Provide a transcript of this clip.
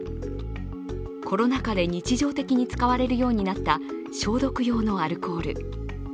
コロナ禍で日常的に使われるようになった消毒用のアルコール。